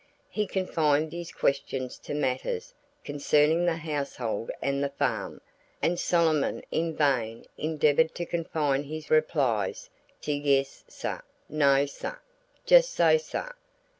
He confined his questions to matters concerning the household and the farm, and Solomon in vain endeavored to confine his replies to "yes, sah," "no, sah," "jes' so, sah!"